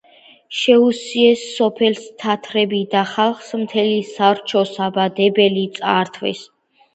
შეუსიეს სოფელს თათრები და ხალხს მთელ სარჩო-საბადებელი წაართვეს